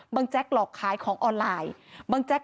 เบิ้งแจ๊กหลอกขายของออนไลน์